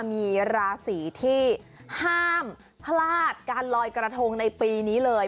มีราศีที่ห้ามพลาดการลอยกระทงในปีนี้เลย